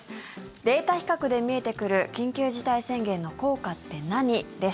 データ比較で見えてくる緊急事態宣言の効果って何？です。